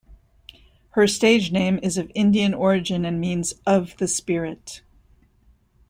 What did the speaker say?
Her stage name is of Indian origin and means "of the spirit".